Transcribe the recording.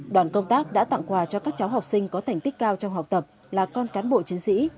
đoàn công tác đã tặng quà cho các cháu học sinh có thành tích cao trong học tập là con cán bộ chiến sĩ